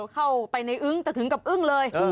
เข้าไปในอึ้งแต่ถึงกับอึ้งเลย